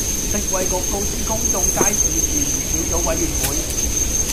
食衞局告知公眾街市事宜小組委員會